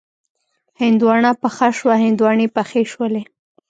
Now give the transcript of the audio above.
هندواڼه پخه شوه، هندواڼې پخې شولې